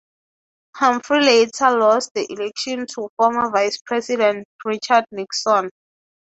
Humphrey later lost the election to former vice president Richard Nixon.